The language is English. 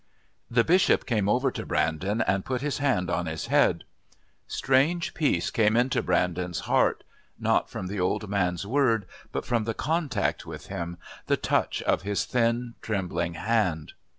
The Bishop came over to Brandon and put his hand on his head. Strange peace came into Brandon's heart, not from the old man's words, but from the contact with him, the touch of his thin trembling hand.